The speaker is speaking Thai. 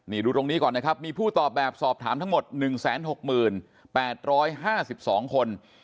นี่ดูตรงนี้ก่อนนะครับมีผู้ตอบแบบสอบถามทั้งหมด๑๖๘๕๒คน